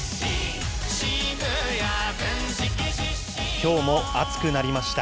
きょうも暑くなりました。